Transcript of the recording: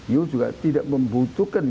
you juga tidak membutuhkan